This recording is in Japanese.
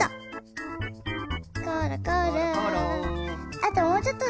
あともうちょっとだ！